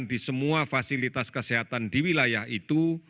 di semua fasilitas kesehatan di wilayah itu